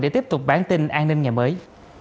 để tiếp tục bản tin an ninh ngày mới